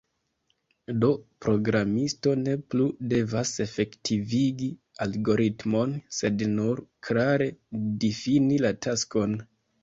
Do, programisto ne plu devas efektivigi algoritmon, sed nur klare difini la taskon.